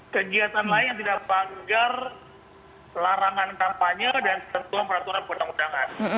kegiatan lain tidak banggar larangan kampanye dan tertuang peraturan peraturan undangan